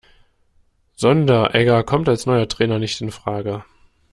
Sonderegger kommt als neuer Trainer nicht infrage.